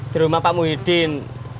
di rumah pak muhyiddin